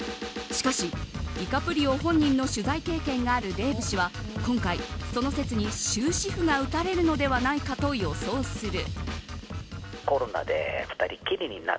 しかし、ディカプリオ本人の取材経験があるデーブ氏は今回、その説に終止符が打たれるのではないかと予想する。